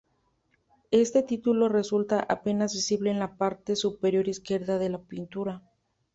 Este título resulta apenas visible en la parte superior izquierda de la pintura.